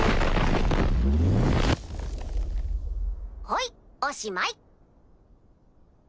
ほいおしまい。